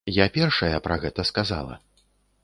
Я першая пра гэта сказала.